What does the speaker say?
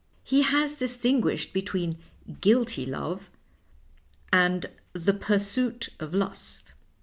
He has distinguished between ' guilty love ' and ' the pur suit of lust.'